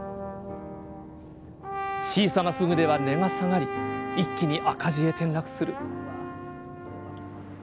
小さなふぐでは値が下がり一気に赤字へ転落する。